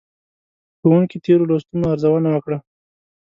ښوونکي تېرو لوستونو ارزونه وکړه.